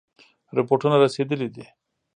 رپوټونه رسېدلي دي.